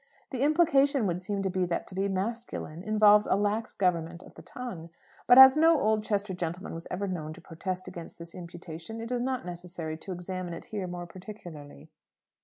The implication would seem to be that to be "masculine" involves a lax government of the tongue. But as no Oldchester gentleman was ever known to protest against this imputation, it is not necessary to examine it here more particularly.